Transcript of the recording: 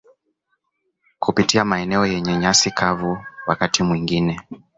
kupitia maeneo yenye nyasi kavu wakati mwingine